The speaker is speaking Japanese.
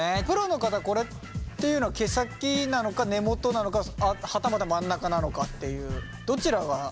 プロの方これっていうのは毛先なのか根元なのかはたまた真ん中なのかっていうどちらが？